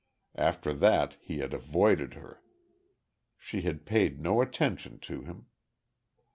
After that he had avoided her. She had paid no attention to him....